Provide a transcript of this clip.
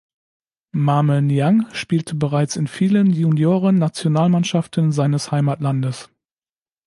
Mame Niang spielte bereits in vielen Juniorennationalmannschaften seines Heimatlandes.